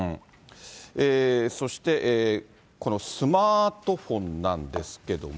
そして、スマートフォンなんですけども。